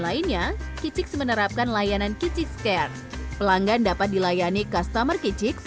lainnya kicix menerapkan layanan kitch scan pelanggan dapat dilayani customer kicix